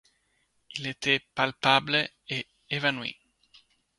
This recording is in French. Il était palpable et évanoui.